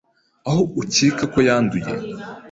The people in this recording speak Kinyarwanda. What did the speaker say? aho ukeka ko yanduye